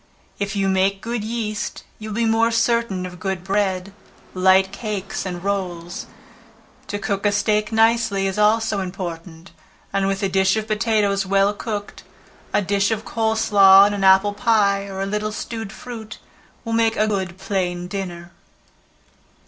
If you make good yeast you will be more certain of good bread, light cakes and rolls. To cook a steak nicely, is also important; and with a dish of potatoes well cooked, a dish of cold slaw and an apple pie, or a little stewed fruit, will make a good plain dinner.